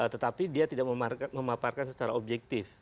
tetapi dia tidak memaparkan secara objektif